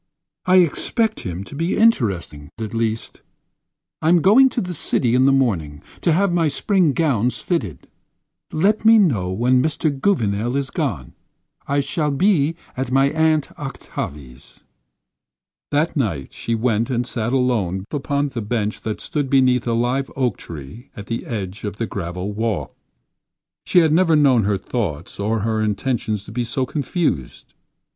"I expected him to be interesting, at least. I'm going to the city in the morning to have my spring gowns fitted. Let me know when Mr. Gouvernail is gone; I shall be at my Aunt Octavie's." That night she went and sat alone upon a bench that stood beneath a live oak tree at the edge of the gravel walk. She had never known her thoughts or her intentions to be so confused.